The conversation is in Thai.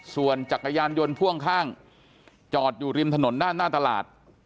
ส่วนจักรยานยนต์พ่วงข้างจอดอยู่ริมถนนด้านหน้าตลาด